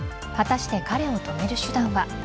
果たして彼を止める手段は。